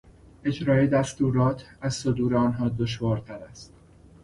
اجرای دستورات از صدور آنها دشوارتر است.